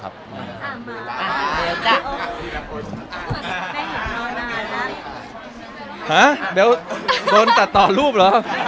หาเบลโดนตัดต่อรูปเหรอ